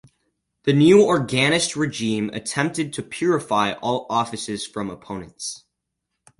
The new Orangist regime attempted to purify all offices from opponents.